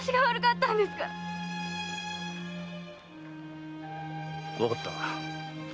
わかった。